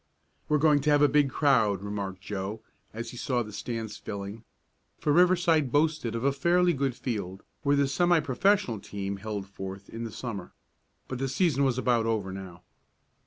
"We're going to have a big crowd," remarked Joe, as he saw the stands filling, for Riverside boasted of a fairly good field, where the semi professional team held forth in the Summer. But the season was about over now.